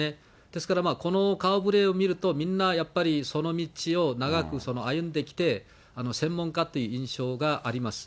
ですから、この顔ぶれを見ると、みんなやっぱり、その道を長く歩んできて、専門家っていう印象があります。